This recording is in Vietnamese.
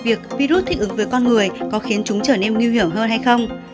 việc virus thích ứng với con người có khiến chúng trở nên nguy hiểm hơn hay không